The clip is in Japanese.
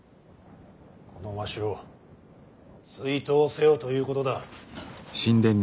このわしを追討せよということだ。